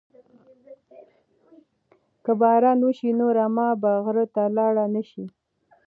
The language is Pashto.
که باران وشي نو رمه به غره ته لاړه نشي.